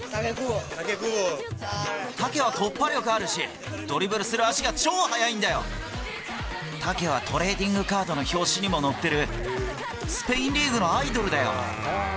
タケは突破力あるし、ドリブタケはトレーディングカードの表紙にも載ってる、スペインリーグのアイドルだよ。